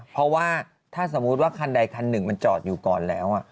เพราะว่าถ้าสมมุติว่าคันใดคันหนึ่งมันจอดอยู่ก่อนแล้ว